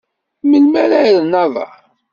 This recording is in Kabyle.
Melmi ara rren aḍar?